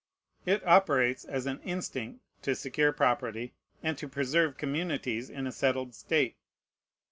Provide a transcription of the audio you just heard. It operates as an instinct to secure property, and to preserve communities in a settled state.